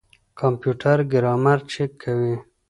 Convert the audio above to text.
کمپيوټر ګرامر چک کوي.